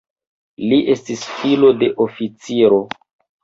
Li estis filo de oficiro.